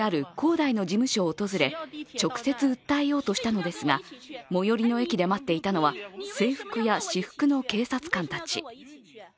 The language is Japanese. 大の事務所を訪れ、直接訴えようとしたのですが、最寄りの駅で待っていたのは制服や私服の警察官たち。